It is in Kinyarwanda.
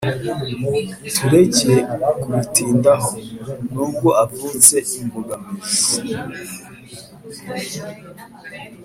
tureke kubitindaho! nubwo havutse imbogamizi